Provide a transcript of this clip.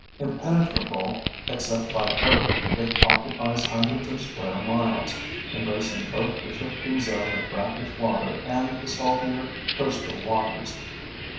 Impenetrable except by boat, it occupies hundreds of square miles, embracing both the shifting zone of brackish water and the saltier coastal waters.